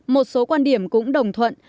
một số quan điểm cũng đồng thuận